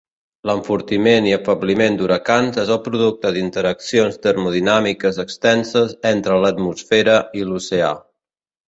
L'Enfortiment i afebliment d'huracans és el producte d'interaccions termodinàmiques extenses entre l'atmosfera i l'oceà.